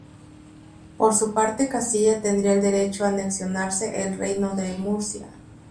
Por su parte Castilla tendría el derecho a anexionarse el reino de Murcia.